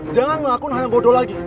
jangan ngelakuin hal yang bodoh lagi